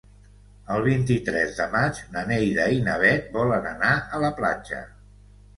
El vint-i-tres de maig na Neida i na Bet volen anar a la platja.